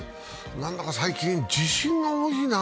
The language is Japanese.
なんだか最近、地震が多いな。